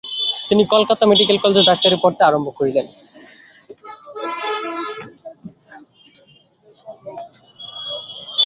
তিনি কলিকাতা মেডিক্যাল কলেজে ডাক্তারি পড়তে আরম্ভ করিলেন।